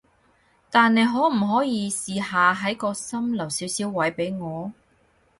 但你可唔可以試下喺個心留少少位畀我？